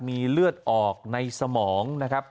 มีเลือดออกในสมองนะครับ